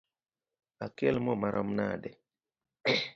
Akel moo marom nade?